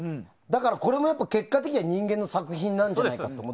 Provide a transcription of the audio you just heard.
だから、これも結果的には人間の作品じゃないかと。